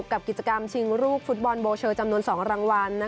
กับกิจกรรมชิงรูปฟุตบอลโบเชอร์จำนวน๒รางวัล